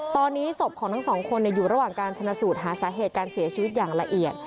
ตอนนี้ศพของทั้งสองคนอยู่ระหว่างการชนะสูตรหาสาเหตุการเสียชีวิตอย่างละเอียด